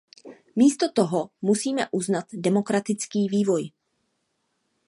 Místo toho musíme uznat demokratický vývoj.